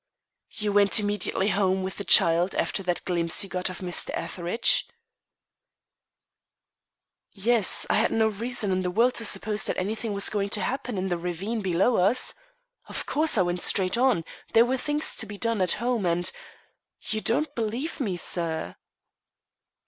"You went immediately home with the child after that glimpse you got of Mr. Etheridge?" "Yes; I had no reason in the world to suppose that anything was going to happen in the ravine below us. Of course, I went straight on; there were things to be done at home, and you don't believe me, sir."